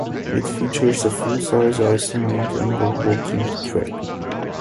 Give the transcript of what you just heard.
It features a full-size ice rink, and a walking track.